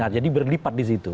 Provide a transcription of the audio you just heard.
jadi berlipat di situ